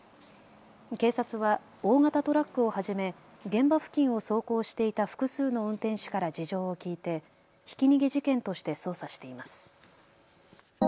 警察は大型トラックをはじめ現場付近を走行していた複数の運転手から事情を聞いてひき逃げ事件として捜査しています。